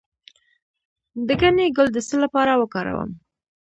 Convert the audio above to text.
د ګنی ګل د څه لپاره وکاروم؟